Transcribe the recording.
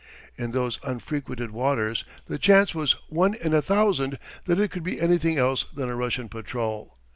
In those unfrequented waters the chance was one in a thousand that it could be anything else than a Russian patrol.